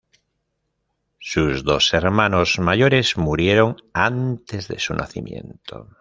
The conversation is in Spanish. Sus dos hermanos mayores murieron antes de su nacimiento.